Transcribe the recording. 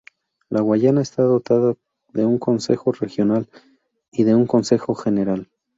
La Guayana está dotada de un Consejo regional y de un Consejo general.